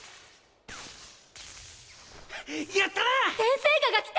やったな！